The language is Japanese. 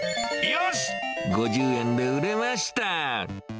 よし、５０円で売れました。